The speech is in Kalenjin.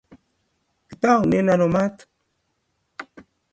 Kitaunen ano maat?